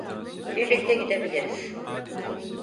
Birlikte gidebiliriz.